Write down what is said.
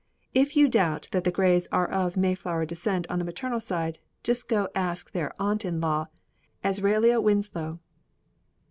If you doubt that the Greys are of Mayflower descent on the maternal side, just go ask their aunt in law, Azraella Winslow."